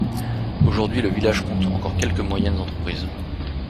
Aujourd'hui le village compte encore quelques moyennes entreprises.